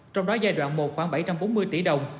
trong đó giai đoạn một khoảng bảy trăm bốn mươi tỷ đồng